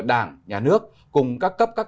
đảng nhà nước cùng các cấp các